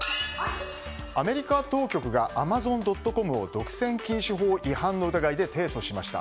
アメリカ当局がアマゾン・ドット・コムを独占禁止法違反の疑いで提訴しました。